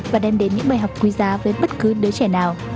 và đem đến những bài học quý giá với bất cứ đứa trẻ nào